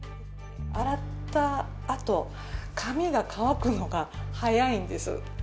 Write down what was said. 洗ったあと、髪が乾くのが早いんです。